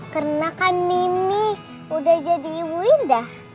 karena kan mimi udah jadi ibu indah